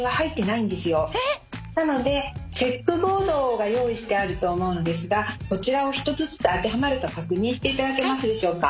ええ！？なのでチェックボードが用意してあると思うのですがそちらを１つずつ当てはまるか確認していただけますでしょうか。